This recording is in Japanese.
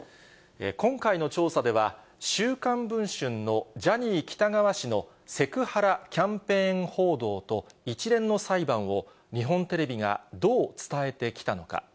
今回の調査では、週刊文春のジャニー喜多川氏のセクハラキャンペーン報道と一連の裁判を日本テレビがどう伝えてきたのか。